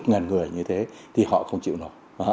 ngàn người như thế thì họ không chịu nổi